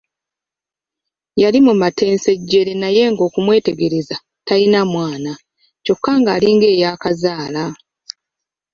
Yali mu mattansejjere naye okumwetegereza nga talina mwana kyokka ng'alinga eyaakazaala.